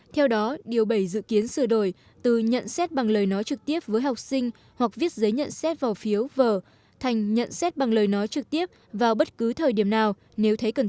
theo đó điều bảy dự kiến sửa đổi từ nhận xét bằng lời nói trực tiếp với học sinh hoặc viết giấy truyền